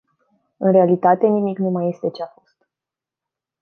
În realitate, nimic nu mai este ce-a fost.